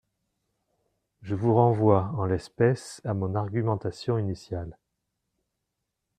Je vous renvoie, en l’espèce, à mon argumentation initiale.